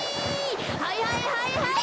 はいはいはいはい！